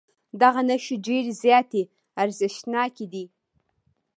دغه نښې ډېرې زیاتې ارزښتناکې دي.